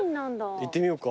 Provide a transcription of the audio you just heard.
行ってみようか。